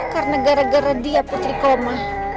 karena gara gara dia putri koma